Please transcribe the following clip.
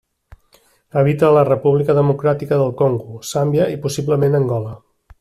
Habita a la República Democràtica del Congo, Zàmbia i possiblement a Angola.